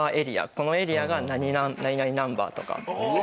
このエリアが何々ナンバーとか。